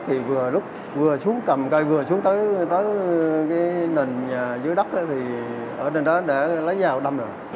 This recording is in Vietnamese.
rồi lúc vừa xuống cầm cây vừa xuống tới cái nền dưới đất thì ở trên đó đã lấy dao đâm rồi